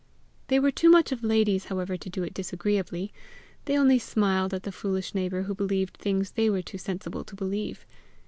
They were too much of ladies, however, to do it disagreeably; they only smiled at the foolish neighbour who believed things they were too sensible to believe.